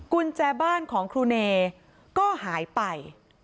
กุญแจบ้านของครูเนก็หายไป